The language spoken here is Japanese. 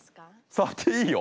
触っていいよ。